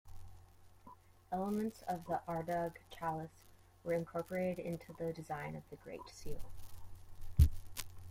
Elements of the Ardagh Chalice were incorporated into the design of the Great Seal.